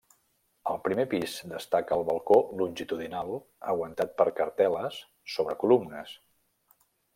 Al primer pis destaca el balcó longitudinal aguantat per cartel·les sobre columnes.